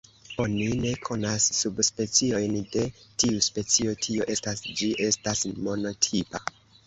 Oni ne konas subspeciojn de tiu specio, tio estas ĝi estas monotipa.